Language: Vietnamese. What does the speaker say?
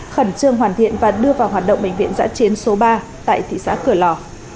khẩn trương hoàn thiện và đưa vào hoạt động bệnh viện giã chiến số ba tại thị xã cửa lò